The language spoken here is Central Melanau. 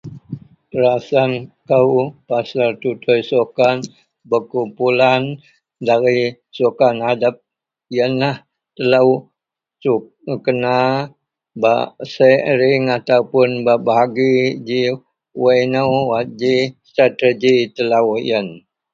Naseng kou pasal tutui sukan berkumplan dari sukan adep yianlah telo kena bak sharing atau berbagi wak inoulah ji strategik telo yian.